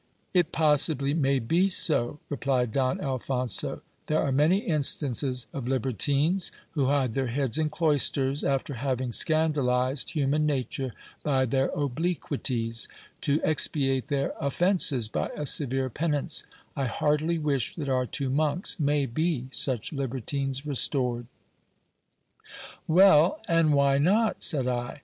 It possibly may be so, replied Don Alphonso : there are many instances of libertines, who hide their heads in cloisters, after having scandalized human nature by their obliquities, to expiate their offences by a severe penance : I heartily wish that our two monks may be such libertines restored. Well ! and why not? said I.